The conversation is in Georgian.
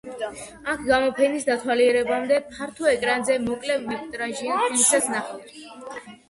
აქ გამოფენის დათვალიერებამდე ფართო ეკრანზე მოკლემეტრაჟიან ფილმსაც ნახავთ.